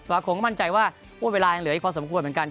สมาคมก็มั่นใจว่าเวลายังเหลืออีกพอสมควรเหมือนกัน